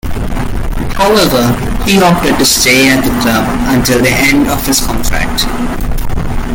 However, he opted to stay at the club until the end of his contract.